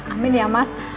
amin ya mas